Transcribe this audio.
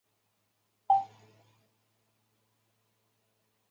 猎户座大星云中央有一个被称为猎户四边形星团四合星的年轻疏散星团。